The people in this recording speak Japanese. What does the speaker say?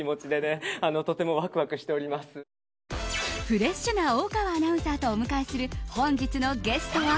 フレッシュな大川アナウンサーとお迎えする本日のゲストは。